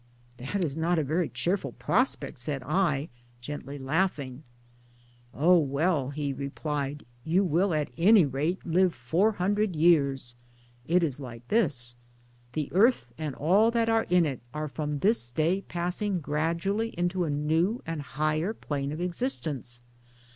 "" That is not a very cheerful prospect," said I, gently laughing. " Oh, well," he replied, " you will at any rate MILLTHORPIANA [187 live four hundred years. It is like this : The earth and all that are in it, are from this day passing gradually into a new and higher plane of existence.